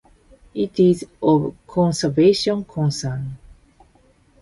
It is of conservation concern.